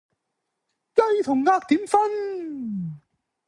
雞同鴨點分